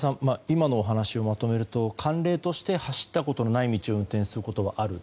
今のお話をまとめると慣例として走ったことのない道を運転することがある。